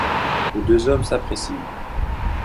Les deux hommes s'apprécient.